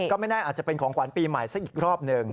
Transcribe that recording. ก็ไม่แน่อาจจะเป็นของขวัญปีใหม่สักอีกรอบหนึ่ง